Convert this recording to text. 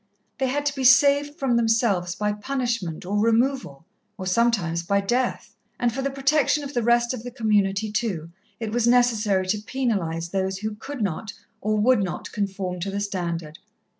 They had to be saved from themselves by punishment or removal, or sometimes by death; and for the protection of the rest of the community, too, it was necessary to penalize those who could not or would not conform to the standard.